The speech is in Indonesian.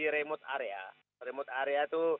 area terdekat area terdekat itu